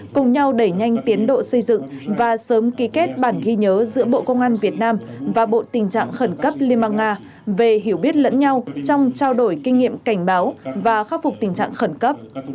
cùng nhau đẩy nhanh tiến độ xây dựng và sớm ký kết bản ghi nhớ giữa bộ công an việt nam và bộ tình trạng khẩn cấp liên bang nga về hiểu biết lẫn nhau trong trao đổi kinh nghiệm cảnh báo và khắc phục tình trạng khẩn cấp